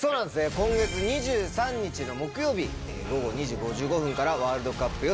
今月２３日の木曜日午後２時５５分からワールドカップ予選